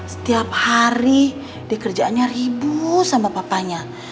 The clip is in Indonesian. setiap hari dia kerjaannya ribut sama papanya